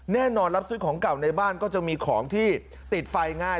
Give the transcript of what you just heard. แน่นอนรับซื้อของเก่าในบ้านก็จะมีของที่ติดไฟง่าย